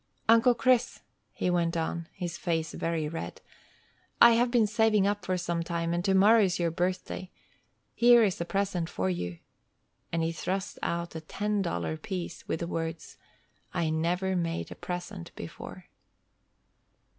"Uncle Chris," he went on, his face very red, "I have been saving up for some time, and tomorrow's your birthday. Here is a present for you." And he thrust out a ten dollar piece, with the words, "I never made a present before."